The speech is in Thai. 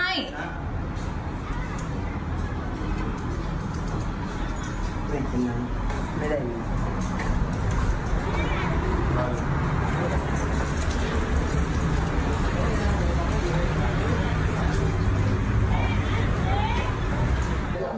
ไม่ได้กินน้ำไม่ได้กิน